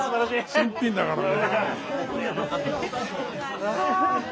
新品だからねえ。